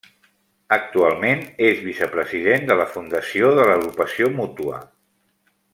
Actualment és vicepresident de la Fundació de l'Agrupació Mútua.